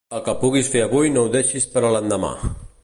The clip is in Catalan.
El que puguis fer avui no ho deixis per a l'endemà!